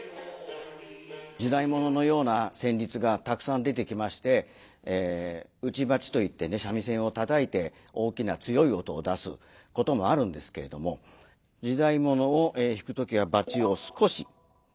時代物のような旋律がたくさん出てきまして打ち撥といってね三味線をたたいて大きな強い音を出すこともあるんですけれども「時代物」を弾く時は撥を少し立てます。